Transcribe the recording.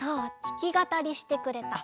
ひきがたりしてくれた。